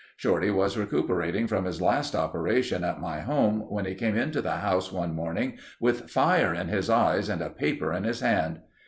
Shorty was recuperating from his last operation at my home when he came into the house one morning with fire in his eyes and a paper in his hand.